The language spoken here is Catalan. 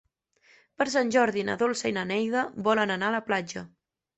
Per Sant Jordi na Dolça i na Neida volen anar a la platja.